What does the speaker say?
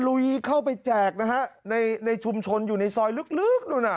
ลุยเข้าไปแจกนะฮะในในชุมชนอยู่ในซอยลึกนู่นน่ะ